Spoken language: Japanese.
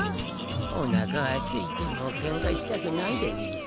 お腹はすいてもケンカしたくないでうぃす。